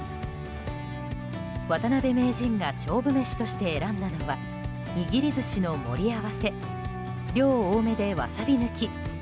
渡辺名人が勝負メシとして選んだのはにぎり寿司の盛り合わせ量多めでワサビ抜き。